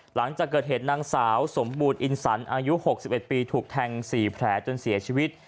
หลังจากเกิดเหตุนางสาวสมบูรณอินสันอายุ๖๑ปีถูกแทง๔แผลจนเสียชีวิต